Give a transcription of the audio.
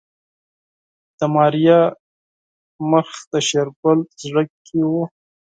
د ماريا څېره د شېرګل زړه کې وه.